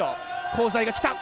香西が来た。